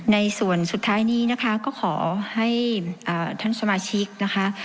ในส่วนสุดท้ายนี้นะคะก็ขอให้ท่านสมาชิกนะคะ